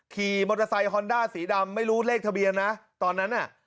ขี่มอเตอร์ไซค์ฮอนด้าสีดำไม่รู้เลขทะเบียนนะตอนนั้นน่ะ